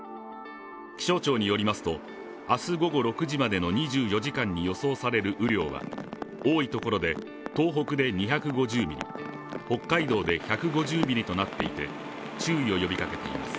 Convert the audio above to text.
気象庁によりますと、明日午後６時までの２４時間に予想される雨量は多いところで東北で２５０ミリ、北海道で１５０ミリとなっていて注意を呼びかけています。